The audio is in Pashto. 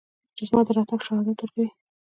چې زما د راتګ شهادت ورکوي